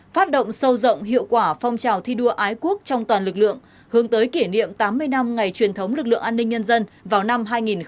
phát động sâu rộng hiệu quả phong trào thi đua ái quốc trong toàn lực lượng hướng tới kỷ niệm tám mươi năm ngày truyền thống lực lượng an ninh nhân dân vào năm hai nghìn hai mươi